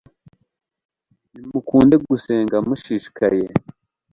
nimukunde gusenga mushishikaye